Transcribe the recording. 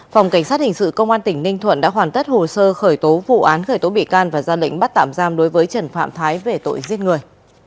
phòng cảnh sát hình sự công an tỉnh ninh thuận đã hoàn tất hồ sơ khởi tố vụ án khởi tố bị can và ra lệnh bắt tạm giam đối với trần phạm thái về tội giết người